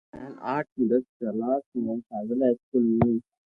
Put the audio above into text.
ھين آٺ مون دس ڪلاس ۾ ݾاوليلا اسڪول مون